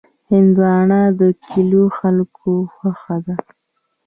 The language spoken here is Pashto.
هندوانه د کلیو خلکو خوښه ده.